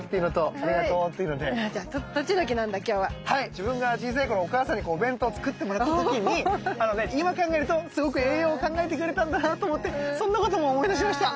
自分が小さい頃お母さんにお弁当作ってもらった時に今考えるとすごく栄養考えてくれてたんだなと思ってそんなことも思い出しました。